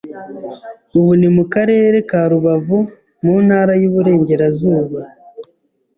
ubu ni mu karere ka Rubavu mu Ntara y’Uburengerazuba